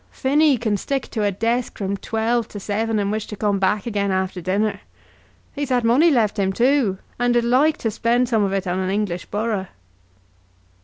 Phinny can stick to a desk from twelve to seven, and wish to come back again after dinner. He's had money left him, too, and 'd like to spend some of it on an English borough."